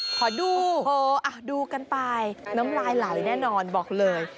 ขอดูดูกันไปน้ำลายไหลแน่นอนบอกเลย